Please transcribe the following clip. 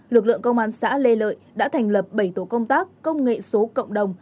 lực lượng công an xã lê lợi đã thành lập bảy tổ công tác công nghệ số cộng đồng